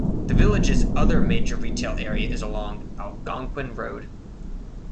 The village's other major retail area is along Algonquin Road.